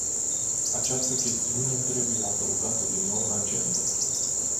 Această chestiune trebuie adăugată din nou în agendă.